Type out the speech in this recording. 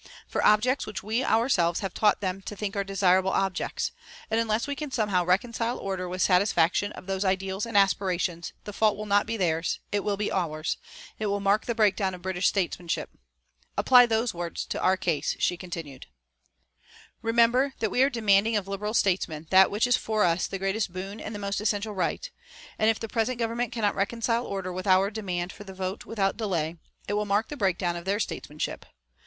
For objects which we ourselves have taught them to think are desirable objects; and unless we can somehow reconcile order with satisfaction of those ideals and aspirations, the fault will not be theirs, it will be ours it will mark the breakdown of British statesmanship.' Apply those words to our case," she continued. [Illustration: CHRISTABEL, MRS. DRUMMOND AND MRS. PANKHURST IN THE DOCK, FIRST CONSPIRACY TRIAL October, 1908] "Remember that we are demanding of Liberal statesmen that which is for us the greatest boon and the most essential right and if the present Government cannot reconcile order with our demand for the vote without delay, it will mark the breakdown of their statesmanship.